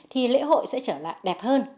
thì lễ hội sẽ trở lại đẹp hơn